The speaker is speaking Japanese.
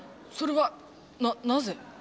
それはななぜ？